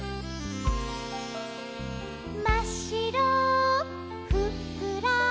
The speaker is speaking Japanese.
「まっしろふっくら」